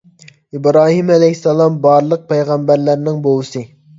ئىبراھىم ئەلەيھىسسالام بارلىق پەيغەمبەرلەرنىڭ بوۋىسى